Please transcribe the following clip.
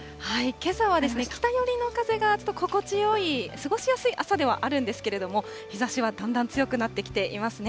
けさは北寄りの風がちょっと心地よい、過ごしやすい朝ではあるんですけれども、日ざしはだんだん強くなってきていますね。